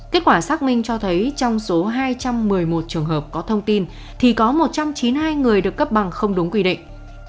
kết quả xác minh cho thấy trong số hai trăm một mươi một trường hợp có thông tin thì có một trăm chín mươi hai người được cấp bằng không đúng quy định